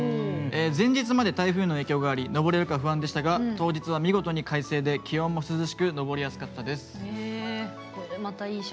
前日まで台風の影響があり登れるか不安でしたが当日は見事に快晴で気温も涼しく登りやすかったです。